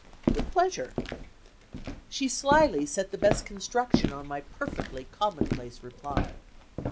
"With pleasure." She slyly set the best construction on my perfectly commonplace reply.